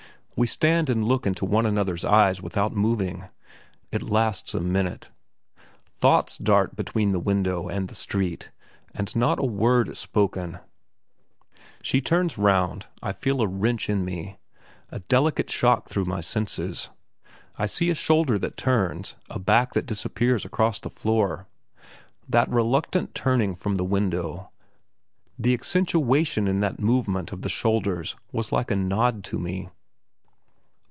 We stand and look into one another's eyes without moving; it lasts a minute. Thoughts dart between the window and the street, and not a word is spoken. She turns round, I feel a wrench in me, a delicate shock through my senses; I see a shoulder that turns, a back that disappears across the floor. That reluctant turning from the window, the accentuation in that movement of the shoulders was like a nod to me.